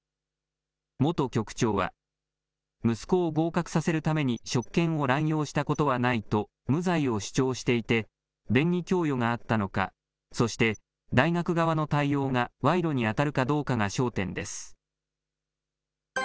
元局長は、息子を合格させるために職権を乱用したことはないと無罪を主張していて、便宜供与があったのか、そして大学側の対応が賄賂に当たるかどうかが焦点です。